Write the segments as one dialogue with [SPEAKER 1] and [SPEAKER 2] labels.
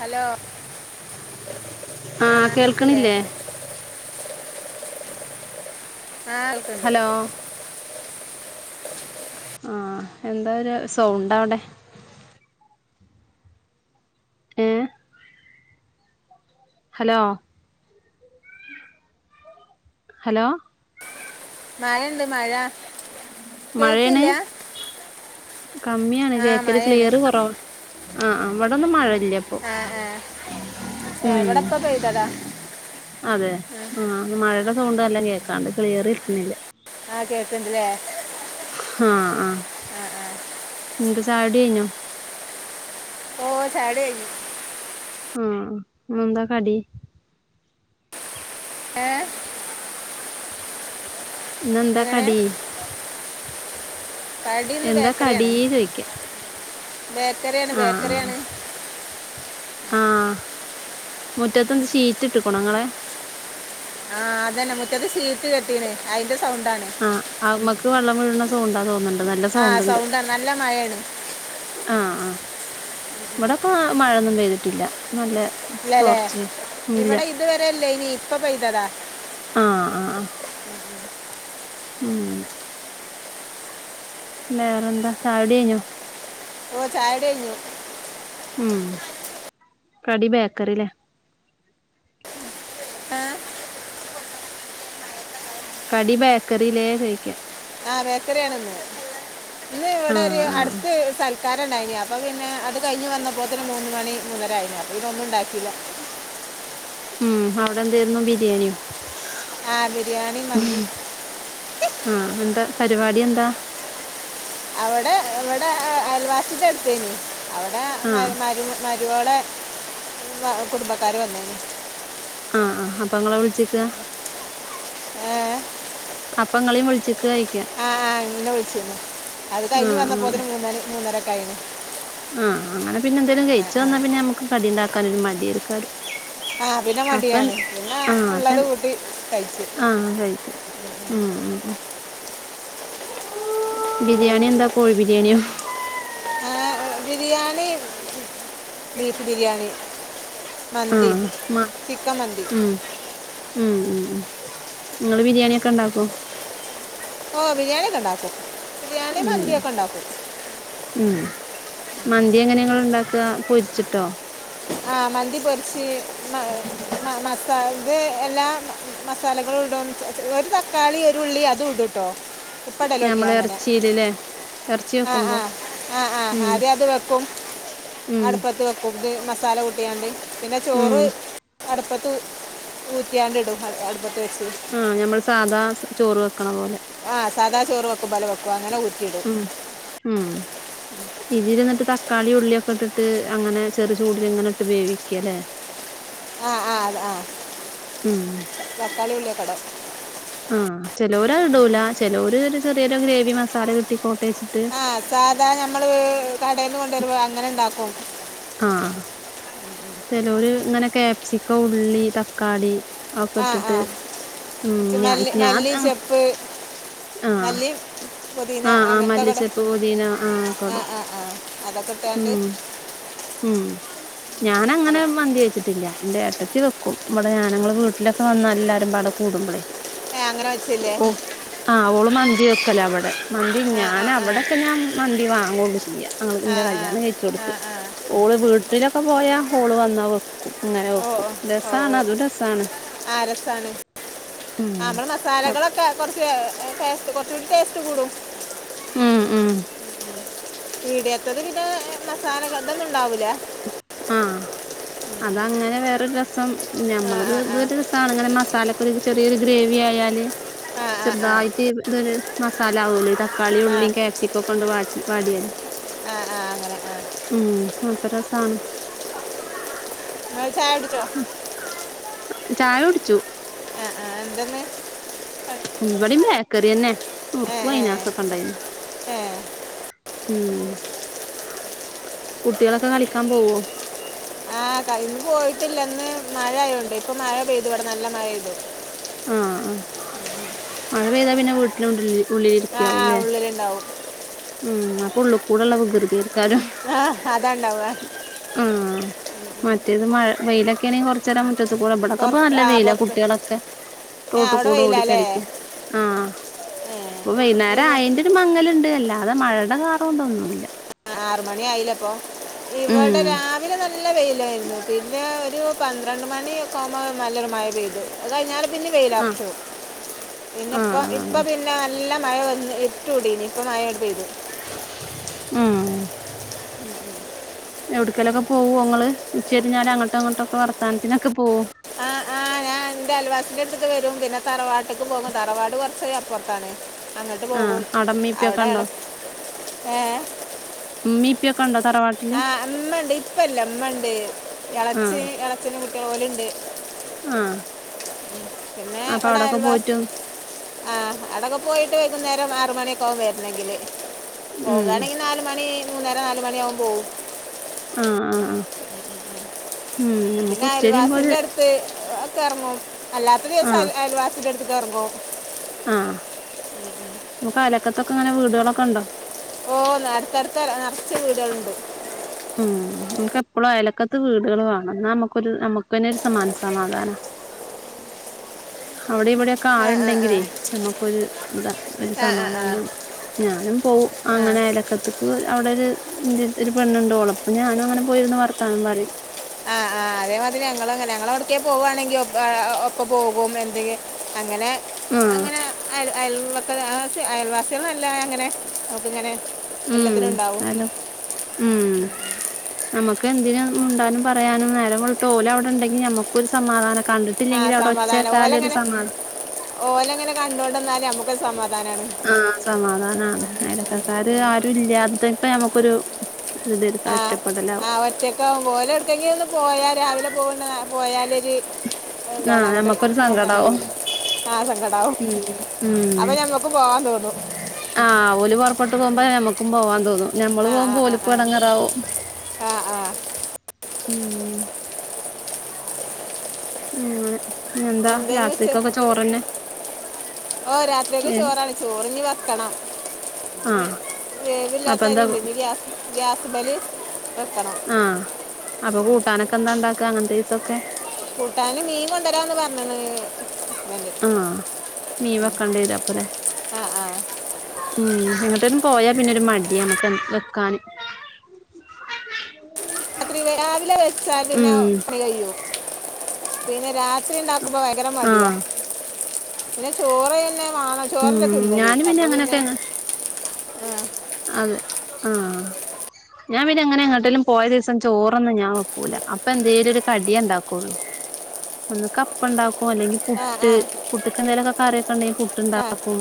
[SPEAKER 1] Hello ആ
[SPEAKER 2] ആഹ്
[SPEAKER 1] കേൾക്കില്ലേ
[SPEAKER 2] കേൾക്കണില്ലേ
[SPEAKER 1] ആഹ്ക്കണ്ട്
[SPEAKER 2] ഹലോ ആഹ് എന്താ ഒരു സൗണ്ടവടെ ഏഹ് ഹലോ ഹലോ
[SPEAKER 1] മഴ ഇണ്ട് മഴ
[SPEAKER 2] മഴെണ്
[SPEAKER 1] കേൾക്കില്ല
[SPEAKER 2] കമ്മിയാണ്
[SPEAKER 1] ആ
[SPEAKER 2] കേക്കെൽ
[SPEAKER 1] മഴയാണ്
[SPEAKER 2] ക്ലിയെറ് കൊറവാ ആഹ് ആഹ് ഇവെടൊന്നും മഴ ഇല്ല ഇപ്പം
[SPEAKER 1] ആ ആ ഏ,
[SPEAKER 2] ഉം
[SPEAKER 1] ഇവിടെ ഇപ്പം പെയ്തതാ
[SPEAKER 2] അതെ ആഹ് മഴ സൗണ്ട് നല്ലോം കേക്കാണ്ട് ക്ലിയെർ കിട്ട്ണ് ഇല്ല
[SPEAKER 1] ആഹ് കേക്ക്ണ്ട് ലെ
[SPEAKER 2] ആഹ് ആഹ്
[SPEAKER 1] ആഹ് ആഹ്
[SPEAKER 2] ന്താ ചായുടി കഴിഞ്ഞോ?
[SPEAKER 1] ഓ ചായുടി കഴിഞ്ഞ്.
[SPEAKER 2] ഉം ഇന്നെന്താ കടി
[SPEAKER 1] ഏഹ്
[SPEAKER 2] ഇന്ന് എന്താ കടി?
[SPEAKER 1] കടി ഇന്ന്
[SPEAKER 2] എന്താ കടീ
[SPEAKER 1] ബേക്കറിയാണ്
[SPEAKER 2] ചോയ്ക്ക
[SPEAKER 1] ബേക്കറിയാണ്
[SPEAKER 2] ആഹ്
[SPEAKER 1] ബേക്കറിയാണ്
[SPEAKER 2] ആഹ് മുറ്റത്ത്ന്ത ഷീറ്റ് ഇട്ട് കുണങ്ങളെ
[SPEAKER 1] ആ അതെന്നെ മുറ്റത്ത് ഷീറ്റ് കെട്ടീണ്
[SPEAKER 2] ആഹ് അത് മ്മക്ക് വള്ളം വീഴ്ണ സൗ ത്തോണ്ട തോന്ന്ണ്ട് നല്ല
[SPEAKER 1] ആ
[SPEAKER 2] സൗണ്ട്ണ്ട്
[SPEAKER 1] സൗണ്ടാണ് നല്ല മഴയാണ്
[SPEAKER 2] ആ ആ വ്ടൊക്കെ മഴൊന്നും പെയ്ത്ട്ട്ല്ല
[SPEAKER 1] ല്ലല്ലേ
[SPEAKER 2] ഇല്ല
[SPEAKER 1] ഇവിടെ ഇതുവരെല്ലേനി പ്പ പെയ്തതാ
[SPEAKER 2] ആഹ് ആഹ് ഉം വേറെന്താ ചായുടി യ്ഞ്ഞോ
[SPEAKER 1] ഓ ചായുടി കയ്ഞ്ഞു
[SPEAKER 2] ഉം കടി ബേക്കറിലേ
[SPEAKER 1] ഏ
[SPEAKER 2] കടി ബേക്കറിലേ ചോയ്ക്ക
[SPEAKER 1] ആ ബേക്കറിയാണ് ന്ന് ന്ന്
[SPEAKER 2] ആഹ്
[SPEAKER 1] വടൊരു
[SPEAKER 2] ആഹ്
[SPEAKER 1] അട്ത്ത് സൽ ക്കാരണ്ടായീനി അപ്പ പിന്നെ അത് കയ്ഞ് വന്നപ്പോത്ത്ന് മൂന്നുമണി മൂന്നര ആയിണ് അപ്പ പിന്നൊന്നും ണ്ടാക്കില
[SPEAKER 2] ഉം അവടെന്തേര്ന്നു ബിരിയാണോ
[SPEAKER 1] ആ ബി
[SPEAKER 2] ആഹ് എന്താ പരിപാട്യന്താ
[SPEAKER 1] അവടെ വടെ അയൽവാസിന്റട്ത്തേനി അവടെ
[SPEAKER 2] ആഹ്
[SPEAKER 1] മര് മരു മര് രോളെ മ കുടുംബക്കാര് വന്നീനി
[SPEAKER 2] ആഹ് ആ ഹം പ്പങ്ങളെ വിളിച്ക്കാ
[SPEAKER 1] എഹ്
[SPEAKER 2] അപ്പങ്ങളും വിളിച്ചിക്ക് ഴിക്കാ
[SPEAKER 1] ന്നേ വിളിച്ചിരുന്നു അത് കയിഞ്ഞ് വന്നപ്പോത്തിനും മൂന്നണി മൂന്നര കഴ്ഞ്ഞ്
[SPEAKER 2] ആഹ് അങ്ങനെ പിന്നെ എന്തേലിലും കഴിച്ചു
[SPEAKER 1] ആ
[SPEAKER 2] ന്നാ പിന്നെ നമുക്ക് കടി ഇണ്ടാക്കാന് ഒരു മടിയടുക്കാരും
[SPEAKER 1] ആ പിന്നെ
[SPEAKER 2] അപ്പൻ
[SPEAKER 1] മടിയാണ് പിന്നെ
[SPEAKER 2] ആഹ്
[SPEAKER 1] ഉള്ളത്
[SPEAKER 2] അപ്പൻ
[SPEAKER 1] കൂട്ടി കഴിച്ചു
[SPEAKER 2] ആഹ് കഴിക്കും ബിരിയണി ന്ത കോഴി ബിരിയണിയോ
[SPEAKER 1] ആ, ബിരിയാണി ബീഫ് ബിരിയാണി മന്ദി
[SPEAKER 2] ആഹ് മ
[SPEAKER 1] ചിക്ക മന്ദി
[SPEAKER 2] ഉം ഉം ങ്ങള് ബിരിയാണിയൊക്കെ ഉണ്ടാക്കോ?
[SPEAKER 1] ഓ ബിരിയാണിക്കെ ണ്ടാക്കും
[SPEAKER 2] ഉം ഉം മന്തി എങ്ങനെങ്ങള്ണ്ടാ ക്ക പൊര്ച്ച്ട്ടോ
[SPEAKER 1] ആഹ് മന്തി പൊര്ച്ച് മ മ മസാ ഇത് എല്ലാ മസാലകള്ടും ഒരു തക്കാളി, ഒരു ഉള്ളി, അതും ഇട് ടോ ഇപ്പടലോട്ങ്ങ്യ
[SPEAKER 2] ഞമ്മള്
[SPEAKER 1] അങ്ങനെ
[SPEAKER 2] ഇറച്ചിയിലല്ലേ ഇറച്ചി
[SPEAKER 1] ആഹ്
[SPEAKER 2] വെക്കുമ്പോ
[SPEAKER 1] ആഹ് ആഹ് ആഹ്
[SPEAKER 2] ഉം
[SPEAKER 1] ആദ്യ അത് വെക്കും
[SPEAKER 2] ഉം
[SPEAKER 1] അട്പ്പത്ത് വെക്കും ഇത് മ സാല കുട്ടിയാണ്ട് പിന്നെ
[SPEAKER 2] ഉം
[SPEAKER 1] ചോറ് അട്പ്പത്ത് ഉ ഊറ്റിയാണ്ട് ഇടും അടുപ്പത്ത് വെച്ച്
[SPEAKER 2] ആഹ് ഞമ്മൾ സാധാ ചോറ് വെ ക്ണ പോലെ
[SPEAKER 1] ആഹ് സാദാ ചോറ് വെക്കും പോലെ വെ അപ്പ അങ്ങനെ ഊറ്റിടും
[SPEAKER 2] ഇത് ല് ഇന്ന്ട്ട് തക്കാളി, ഉള്ളിയൊക്കെ ഇട്ട്ട്ട് അങ്ങനെ ചെറ് ചൂടില് ഇങ്ങനെ ഇട്ട് വേവിക്കാലേ
[SPEAKER 1] ആഹ് ആഹ് അത് ആഹ്
[SPEAKER 2] ഉം
[SPEAKER 1] തക്കാളി ഉള്ളീം ഒക്കെ ഇടോ
[SPEAKER 2] ആഹ് ചെലോര് അഹ് ഇടൂല ചെലോര് ചെറിയൊരു ഗ്രേവി മസാല കിട്ടികോ
[SPEAKER 1] ആഹ് സാധാ ഞമ്മള് കടേന്ന് കൊണ്ടേരുമ്പോ അങ്ങനെണ്ടാക്കും
[SPEAKER 2] ആഹ് ചേലോല് ഇങ്ങനെ കാപ്സിക്ക ഉള്ളി തക്കാളി ഒക്കെ
[SPEAKER 1] ആഹ്
[SPEAKER 2] ഇട്ടിട്ട്
[SPEAKER 1] ആഹ്
[SPEAKER 2] ഉം ഞാ
[SPEAKER 1] മല്ലി
[SPEAKER 2] ഞാൻ
[SPEAKER 1] മല്ലി
[SPEAKER 2] ആഹ്
[SPEAKER 1] ചെപ്പ്
[SPEAKER 2] ആഹ്
[SPEAKER 1] മല്ലി പുതിന
[SPEAKER 2] ആഹ്
[SPEAKER 1] അങ്ങനത്തെ കടെ
[SPEAKER 2] മല്ലിച്ചെപ്പ് പൊതീന ഒക്കെ ഇടും
[SPEAKER 1] ആഹ് ആഹ് ആഹ് അതൊ കിട്ടാണ്ട്
[SPEAKER 2] ഉം ഞാന അങ്ങനെ മന്തി വെച്ചിട്ടില്ല എന്റെ ഏട്ടത്തി വെക്കും നമ്മടെ ഞാൻഞങ്ങള് വീട്ടിലൊക്കെ വന്ന എല്ലാരും പടെ കൂടുമ്പളേ
[SPEAKER 1] ഏ അങ്ങനെ വെച്ചല്ലേ
[SPEAKER 2] അവളും മന്ദി വെക്കല്ല ഇവടെ മന്തി
[SPEAKER 1] ആ
[SPEAKER 2] ഞാൻ
[SPEAKER 1] ആ ആ
[SPEAKER 2] അവിടെയൊക്കെ ഞാൻ മന്തി വാ അങ്ങു കൊണ്ട് ചെയ്യാ
[SPEAKER 1] ആ
[SPEAKER 2] അങ്ങളിതിന്റെ
[SPEAKER 1] ആ
[SPEAKER 2] കല്യാണം
[SPEAKER 1] ആ
[SPEAKER 2] കഴിച്ചൊട്ത്ത്.
[SPEAKER 1] ആ
[SPEAKER 2] ഓള് വീട്ടിലൊ ക്കെ പോയാ ഹോള് വന്നാ വെ
[SPEAKER 1] ഓ ഓ ഓ ഓ ഓ
[SPEAKER 2] രസാണ്
[SPEAKER 1] ആ രസാണ്.
[SPEAKER 2] ഉം
[SPEAKER 1] ആ മ്മള് മസാലകളൊക്കെ കൊർച്ച് ടേസ്റ്റ് കൊർച്ചൂടിം ടേസ്റ്റ് കൂടും.
[SPEAKER 2] ഉം ഉം
[SPEAKER 1] പീടിയേത്തത് പിന്നെ മസാര [unintelligible] ഇതൊന്നും ഉണ്ടാവൂലാ
[SPEAKER 2] ആഹ് അതങ്ങനെ വേറൊര് ര സം.
[SPEAKER 1] ആ ആ
[SPEAKER 2] ഞമ്മളതും
[SPEAKER 1] ആ
[SPEAKER 2] ഒര് രസാണ് ഇങ്ങനെ മസാല [unintelligible] ചെറിയൊരു ഗ്രേവി ആയാല്
[SPEAKER 1] ആ ആ ആ
[SPEAKER 2] ചെറുതായിട്ട് ഇതൊരു മസാല ഉള്ളിടെ കളി
[SPEAKER 1] ആ
[SPEAKER 2] ഉള്ളിക്കാപ്സിക്കോ ണ്ട് വാാക്കി വാടിയല്ല
[SPEAKER 1] ആ ആ അങ്ങനെ ആ
[SPEAKER 2] ഉം രസാണ്
[SPEAKER 1] ആ ാടിച്ചോ
[SPEAKER 2] ചായ കുടിച്ചു
[SPEAKER 1] ആആ എന്തന്ന
[SPEAKER 2] ഉവട ബേക്കറി തന്നെ
[SPEAKER 1] ഏ,
[SPEAKER 2] ഉറുക്കുവ അ
[SPEAKER 1] ഏ,
[SPEAKER 2] അയിനാസൊക്കെ ഉണ്ടായിന്ന്
[SPEAKER 1] ഏ.
[SPEAKER 2] ഉം കുട്ടികളൊക്കെ കളിക്കാൻ പോവോ
[SPEAKER 1] ആഇന്ന് പോയിട്ടില്ല ഇന്ന് മഴ ആയോണ്ട് ഇപ്പൊ മഴ പെയ്തു ഇവിടെ നല്ല മഴെയ്തു
[SPEAKER 2] ആആ മഴ പെയ്താ പിന്നെ വീട്ടിലുണ്ട
[SPEAKER 1] ആ ആ,
[SPEAKER 2] ഉള്ളിലിരിക്കാവൂല്ലേ
[SPEAKER 1] ഉള്ളിലുണ്ടാവും
[SPEAKER 2] ഉം അപ്പൊ ഉള്ള കൂടെ ഉള്ളവ കൃതീർക്കാരും
[SPEAKER 1] ആഅതാണ്ടാവ
[SPEAKER 2] ആ് മറ്റേത് മഴ വെയിലൊക്കെ ആണെങ്കിൽ കൊറച്ച തരാ റ്റ കൂടെ എവിടെൊക്കെ ഇപ്പ
[SPEAKER 1] പുറത്ത്
[SPEAKER 2] നല്ല
[SPEAKER 1] ആ
[SPEAKER 2] വെയില
[SPEAKER 1] പുറത്ത്
[SPEAKER 2] കുട്ടികളൊക്കെ
[SPEAKER 1] ഏ
[SPEAKER 2] തോട്ട
[SPEAKER 1] അവിടെ
[SPEAKER 2] കൂട ഓട
[SPEAKER 1] വെയിലല്ലേ
[SPEAKER 2] കളിക്ക ആഹ
[SPEAKER 1] ഏ
[SPEAKER 2] ഇപ്പൊ വൈകുന്നേരം
[SPEAKER 1] ഇവ
[SPEAKER 2] അയിന്റെ ഒരു മങ്ങലുണ്ട് അല്ല അത മഴയുടെ കാരണണംതൊന്നുമല്ല
[SPEAKER 1] ആറ മണി ആയില്ല അപ്പൊ
[SPEAKER 2] ഉം
[SPEAKER 1] ഇവിടെ രാവിലെ നല്ല പെയിലായിരുന്നു മൂട്ടീറെ ഒരു പന്ത്രണ്ട് മണിക്കകുമ്പോൾ നല്ലൊരു മഴ പെയ്തു അതായ ഞാൻ
[SPEAKER 2] ആഹ് ആഹ്
[SPEAKER 1] [unintelligible] നല്ല മഴ വന്ന് ഇര്ട്ടൂടിനി ഇപ്പം മഴ പെയ്‌തു
[SPEAKER 2] ഉം എവിടക്കലൊക്കെ പോവോ നിങ്ങള് ഉച്ചരിഞ്ഞാലും അങ്ങോട്ടോ ഇങ്ങോട്ടോ വർത്താനത്തിനൊക്കെ പോവോ
[SPEAKER 1] എന്റെ അലവാസിന്റെ അടുത്തേക്കു വരും തറവാട്ടേക്ക് പോകും തറവാട് കൊറച്ച അപ്പുറത്താണ് അങ്ങോട്ട്
[SPEAKER 2] ആഹ്
[SPEAKER 1] പോകും
[SPEAKER 2] അവിടെ മീപ്പിയൊക്കെ
[SPEAKER 1] അവിടെ ഇള
[SPEAKER 2] ഉണ്ടോ
[SPEAKER 1] ഏ
[SPEAKER 2] മീപ്പിയൊക്കെ ഉണ്ടോ തറവാ
[SPEAKER 1] ആഹ് ഇമ്മ ഉണ്ട് ഉപ്പല്ല ഉമ്മ ഉണ്ട് എളച്ചി
[SPEAKER 2] ആഹ്
[SPEAKER 1] എളച്ചന്റെ കുട്ടിയള് ഇണ്ട്
[SPEAKER 2] ആഹ്
[SPEAKER 1] പിന്നെ
[SPEAKER 2] അപ്പൊ
[SPEAKER 1] ഇവിടെ
[SPEAKER 2] അവിടൊക്കെ
[SPEAKER 1] അയൽവാസ്
[SPEAKER 2] പോയിട്ട്
[SPEAKER 1] ആഹ് അവിടൊക്കെ പോയിട്ട് വൈകുന്നേര് ആറ് മണിയൊക്കെ ആവും വെരണെങ്കില്
[SPEAKER 2] ഉം
[SPEAKER 1] പോകാണെങ്കി നാല് മണി മൂന്നര നാല്മണിയാവും പോവും.
[SPEAKER 2] ആഹ് ആഹ് ആഹ് ഉം നമുക്ക്
[SPEAKER 1] പിന്നെ
[SPEAKER 2] ഉച്ചരിയുമ്പോര്
[SPEAKER 1] അയൽവാസിന്റെ അടുത്ത് എഹ് ഒക്കെ എറങ്ങും അല്ലാത്ത ദിവസ അയ
[SPEAKER 2] ആഹ്
[SPEAKER 1] അയൽവാസിടെടുത്ത് [unintelligible]
[SPEAKER 2] ആഹ് നമുക്ക് അയലത്തോക്ക് ക്കെങ്ങനെ വീടുകളൊക്കെ ഉണ്ടോ?
[SPEAKER 1] ഓഹ് അടുത്തടുത്ത് നറച്ച് വീടുകള്ണ്ട്. ‌
[SPEAKER 2] ഉം നമ്മക്ക് എപ്പഴും അയലക്കത്ത് വീടുകള്, വേണം എന്നാ നമ്മക്കൊരു നമുക്കെന്നെ ഒരു മനസ്സമാധാനാ. അവിടെ ഇവിടെക്കെ
[SPEAKER 1] ആ ആ ആ
[SPEAKER 2] ആള്ണ്ടെങ്കിലേ നമ്മക്കൊരു ഇതാ ഒരു
[SPEAKER 1] ആ ആ
[SPEAKER 2] സമാധാനാണ് ഞാനും പോവും
[SPEAKER 1] ആ
[SPEAKER 2] അങ്ങനെ
[SPEAKER 1] ആ
[SPEAKER 2] അയലക്കത്തക്ക് അവിടെ ഒരു ഇന്റെ അടുത്ത് ഒരു പെണ്ണുണ്ട് ഓളൊപ്പം ഞാനും അങ്ങനെ പോയിരുന്ന് വർത്താനം പറയും.
[SPEAKER 1] ആഹ് ആഹ് അതേമാതിരി ഞങ്ങളു അങ്ങനെ ഞങ്ങള് എവിടക്കേ പോകുവാണെങ്കിൽ ഒപ് ആഹ് ഒപ്പ പോകും എന്തെങ്ങി അങ്ങനെ
[SPEAKER 2] ആഹ്
[SPEAKER 1] അങ്ങനെ അയൽ അയൽവക്ക അയൽവാസികളല്ല ങ്ങനെ [unintelligible] ങ്ങനെ
[SPEAKER 2] ഉം ഹലോ ഉം നമുക്കെന്തിന മുണ്ടാനും പറയാനും നേരം വെളുത്ത് ഓല് അവിടെണ്ടെങ്കി നമുക്കും ഒരു സമാധാന
[SPEAKER 1] ആ സമാധാന ഓലങ്ങനെ ഓലങ്ങനെ കണ്ടോണ്ട് നിന്നാലും നമു
[SPEAKER 2] ആഹ് സമാധാന അയലക്കക്കാര് ആരുല്ല [unintelligible] നമുക്കൊരു
[SPEAKER 1] ആഹ് ആഹ് ഒറ്റക്കാവും ഓലെവ്ട്ക്കെങ്കിലൊന്ന് പോയാൽ [unintelligible] പോയാലൊരു എന്താണ്
[SPEAKER 2] ആഹ്
[SPEAKER 1] അങ്ങോട്ട്
[SPEAKER 2] ഞമ്മക്കൊരു
[SPEAKER 1] നോക്കാൻ
[SPEAKER 2] സങ്കടാവും
[SPEAKER 1] കയ്യൂല്ല ആ സങ്കടാവും
[SPEAKER 2] ഉം ഉം
[SPEAKER 1] അപ്പൊ ഞമ്മക്കും പോവാൻ തോന്നും
[SPEAKER 2] ങ്ങോട്ട് പോകുമ്പോ ഞമ്മക്കും പോവാ തോന്നും ഞമ്മള്
[SPEAKER 1] ആ
[SPEAKER 2] പോകുമ്പോ
[SPEAKER 1] ആ ആ
[SPEAKER 2] ഓല്ക്കും
[SPEAKER 1] ആ
[SPEAKER 2] എടങേറാവും
[SPEAKER 1] ആ ആ
[SPEAKER 2] ഉം ങ്ങനെ എന്താ
[SPEAKER 1] എന്തേനു ഉച്ച
[SPEAKER 2] രാത്രിക്കൊക്കെ ചോറെന്നെ
[SPEAKER 1] ഓ രാത്രിക്ക് ചോറാണ് ചോറിഞ്ഞി വെക്കണം
[SPEAKER 2] ആഹ് അപ്പ
[SPEAKER 1] വേവില്ലാത്തരി
[SPEAKER 2] എന്താ
[SPEAKER 1] ണ്ട് ഗ്യാസ് ഗ്യാസ്മ്മല്
[SPEAKER 2] ആഹ് അപ്പൊ കൂട്ടാനൊക്കെ എന്താണ്ടാ- ക്ക അങ്ങനത്തെ ദിവസൊക്കെ
[SPEAKER 1] കൂട്ടാന് മീൻ കൊണ്ടരാന്ന് പറഞ്ണ്
[SPEAKER 2] ആഹ് മീൻ വെക്കേണ്ടി വരും അപ്പല്ലെ
[SPEAKER 1] ആഹ് ആഹ്
[SPEAKER 2] ഉം എങ്ങട്ടെങ്കിലും പോയാ പിന്നെ ഒരു മടിയാണ് വെക്കാന്
[SPEAKER 1] രാത്രി രാവിലെ വെ പിന്നെ
[SPEAKER 2] ഉം
[SPEAKER 1] പണി കഴിയും പിന്നെ രാത്രി ഉണ്ടാക്കുമ്പോ ഭയങ്കര മടിയാ
[SPEAKER 2] ആഹ്
[SPEAKER 1] പിന്നെ ചോറ് പിന്നെ വാണം
[SPEAKER 2] ഉം
[SPEAKER 1] ചോറെന്നെ തിന്നല്
[SPEAKER 2] ഞാന്
[SPEAKER 1] അപ്പൊ പിന്നെ
[SPEAKER 2] അത് ആ ഞാൻ പിന്നങ്ങനെ എങ്ങോട്ടേലും പോയ ദിവസം ചോറൊന്നും ഞാൻ വെക്കൂല അപ്പൊ എന്തേലും ഒരു കടിയേ ഉണ്ടാക്കുള്ളൂ ഒന്ന്ക്ക് അപ്പം ഉണ്ടാക്കുംഅല്ലെങ്കിൽ
[SPEAKER 1] ആ ആ
[SPEAKER 2] പുട്ട്
[SPEAKER 1] ആ
[SPEAKER 2] പുട്ട് എന്തേലൊക്കെ കറിയൊക്കെ ഉണ്ടെങ്കിൽ പുട്ട്
[SPEAKER 1] ആ
[SPEAKER 2] ഇണ്ടാക്കും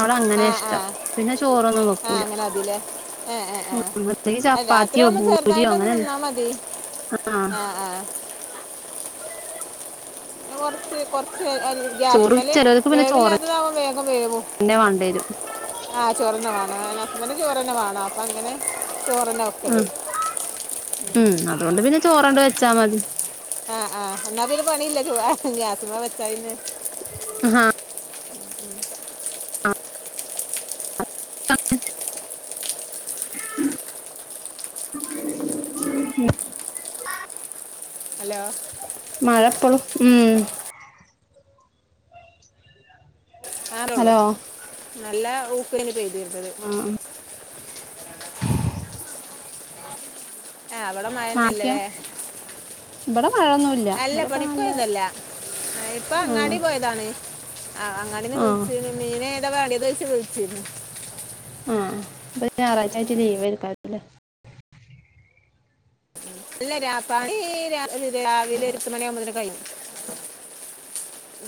[SPEAKER 2] അവിടെ അങ്ങനെ
[SPEAKER 1] ആ ആ
[SPEAKER 2] ഇഷ്ടം പിന്നെ ചോറൊന്നും വെക്കു
[SPEAKER 1] ആ അങ്ങനെ മതില്ലേ ഏഹ് ഏഹ് ഏഹ്
[SPEAKER 2] അല്ലെങ്കിൽ
[SPEAKER 1] ആ രാത്രി
[SPEAKER 2] ചപ്പാത്തിയോ
[SPEAKER 1] ആവുമ്പോൾ
[SPEAKER 2] പൂരിയോ
[SPEAKER 1] ചെറുതായിട്ടൊന്ന്
[SPEAKER 2] അങ്ങനെ
[SPEAKER 1] തിന്നാൽ മതി ആഹ് ആഹ് കൊറച്ച് കൊറച്ച്
[SPEAKER 2] ചോറ്
[SPEAKER 1] ഗ്യാസിമ്മല്
[SPEAKER 2] ചിലവർക്ക് പിന്നെ ചോറന്നെ
[SPEAKER 1] വേവില്ലാത്തതാവുമ്പോ വേകം വേവും
[SPEAKER 2] വേണ്ടി വരും
[SPEAKER 1] ആ ചോറെന്നെ വേണം ഹസ്‌ബൻ്റിന് ചോറെന്നെ വേണം അങ്ങനെ ചോറന്നെ വെക്കല്
[SPEAKER 2] ഉം ഉം അതുകൊണ്ട് പിന്നെ ചോറണ്ട് വെച്ചാ മതി
[SPEAKER 1] ആഹ് ആഹ് എന്നാ പിന്നെ പണില്ല [unintelligible] ഗ്യാസിമ്മെ വെച്ചാ പിന്നെ
[SPEAKER 2] ആഹ്
[SPEAKER 1] ഉം ഹലോ
[SPEAKER 2] മഴ ഇപ്പളും ഉം
[SPEAKER 1] [unintelligible] ഉള്ളൂ
[SPEAKER 2] ഹലോ
[SPEAKER 1] നല്ല ഊക്കിനിങ്ങ് പെയ്
[SPEAKER 2] ആഹ്
[SPEAKER 1] ആഹ് അവടെ മഴന്നില്ലലേ
[SPEAKER 2] ഇബടം
[SPEAKER 1] അല്ല പണിക്ക് പോയതല്ല, ഇപ്പൊ
[SPEAKER 2] ആ
[SPEAKER 1] അങ്ങാടി പോയതാണ്, അങ്ങാടിന്ന്
[SPEAKER 2] ആ
[SPEAKER 1] വിളിച്ചീന് മീനേതാ വേണ്ടിന്ന് [unintelligible] വിളിച്ചിന്നു
[SPEAKER 2] ആഹ് അപ്പൊ ഞാറാഴ്ച്ചയായിട്ട് ലീവ് ഐക്കാരം ല്ലേ.
[SPEAKER 1] അല്ല രാ പണി രാ രാവിലെ ഒരു എട്ട് മണിയാവുമ്പോ തന്നെ കഴിയും,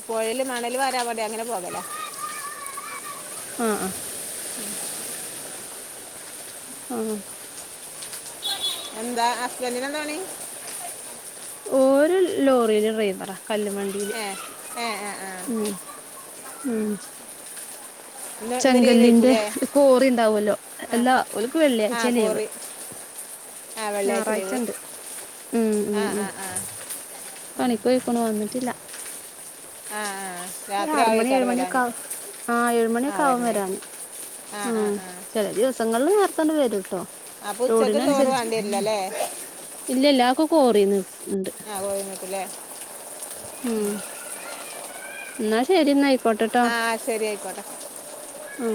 [SPEAKER 1] പൊഴേല് മണല് വാരാൻ പറയും അങ്ങനെ പോകലാ.
[SPEAKER 2] ആഹ് ആഹ് ആഹ്
[SPEAKER 1] എന്താ ഹസ്ബൻഡിനെന്താ പണി
[SPEAKER 2] ഓര് ലോറീൽ ഡ്രൈവറാ കല്ലുമണ്ടിയില്
[SPEAKER 1] ഏഹ് ഏഹ് ഏഹ്‌ ഏഹ്
[SPEAKER 2] ഉം ഉം ചെങ്കല്ലിന്റെ കോറി ഇണ്ടാവോല്ലോ
[SPEAKER 1] ആ
[SPEAKER 2] എല്ലാ ഓല്ക്ക്
[SPEAKER 1] ആ
[SPEAKER 2] വെള്ളിയാഴ്ചേ ലീവ്
[SPEAKER 1] കോറി ആ വെള്ളിയാഴ്ച
[SPEAKER 2] ഞായറാഴ്ച
[SPEAKER 1] ലീവ്
[SPEAKER 2] ഇണ്ട് ഉം
[SPEAKER 1] ആ
[SPEAKER 2] ഉം ഉം
[SPEAKER 1] ആ ആ
[SPEAKER 2] പണിക്കോയിക്കുണു വന്നിട്ടില്ല
[SPEAKER 1] ആ ആ രാത്രി
[SPEAKER 2] ആറ് മണി ഏഴ്
[SPEAKER 1] ആവേക്കാരം വരാൻ
[SPEAKER 2] മണിഒക്കെ ആവും ആഹ്
[SPEAKER 1] ആ
[SPEAKER 2] ഏഴുമണിഒക്കെ ആവും
[SPEAKER 1] വരണേ
[SPEAKER 2] വരാന്
[SPEAKER 1] ആ ആ
[SPEAKER 2] ഉം
[SPEAKER 1] ആ
[SPEAKER 2] ചെല ദിവസങ്ങൾല് നേര് ത്തങ്ങട്‌ വരൂട്ടോ
[SPEAKER 1] അപ്പോൾ ഉച്ചക്ക് ചോറ്
[SPEAKER 2] ലോഡിനനുസരിച്ച്
[SPEAKER 1] വേണ്ടി വരില്ല അല്ലേ
[SPEAKER 2] ഇല്ലല്ല കു- കോറീന്ന് ഉണ്ട്
[SPEAKER 1] ആഹ് കോറീന്ന് കൊടുക്കുല്ലേ
[SPEAKER 2] ഉം ന്നാ ശരിന്നായി
[SPEAKER 1] ആഹ് ശരി അയിക്കോട്ടെ
[SPEAKER 2] ഉം